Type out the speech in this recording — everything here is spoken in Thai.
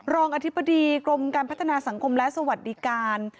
รองอธิบดีกรมการพัฒนาสังคมและสวัสดิการ